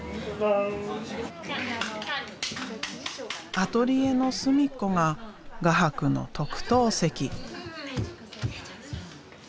アトリエの隅っこが画伯の特等席。